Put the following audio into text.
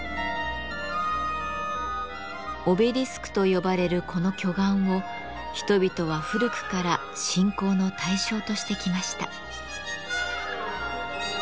オベリスクと呼ばれるこの巨岩を人々は古くから信仰の対象としてきました。